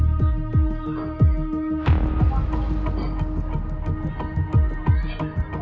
เพราะว่าผมทำถูกต้องตามหมายผมซื้อเครื่องมาตัวเป็นหมื่นหรือแสน